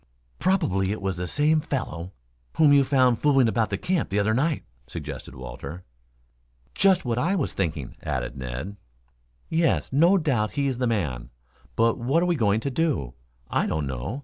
"Probably it was the same fellow whom you found fooling about the camp the other night," suggested Walter. "Just what I was thinking," added Ned. "Yes, no doubt he is the man. But what we are going to do, I don't know.